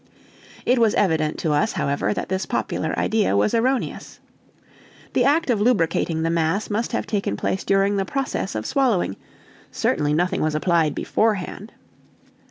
It was evident to us, however, that this popular idea was erroneous. The act of lubricating the mass must have taken place during the process of swallowing; certainly nothing was applied beforehand.